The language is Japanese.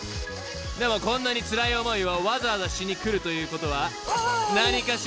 ［でもこんなにつらい思いをわざわざしに来るということは］